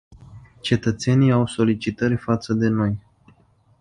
Cetățenii au solicitări față de noi.